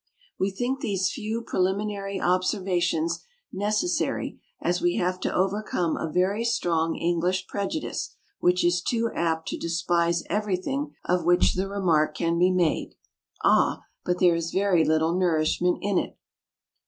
We think these few preliminary observations necessary as we have to overcome a very strong English prejudice, which is too apt to despise everything of which the remark can be made "Ah! but there is very little nourishment in it."